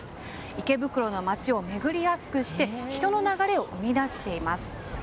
池袋の街を巡りやすくして人の流れを生み出しています。